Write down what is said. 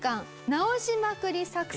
直しまくり作戦を。